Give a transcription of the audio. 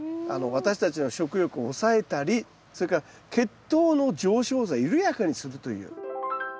私たちの食欲を抑えたりそれから血糖の上昇を抑える緩やかにするという。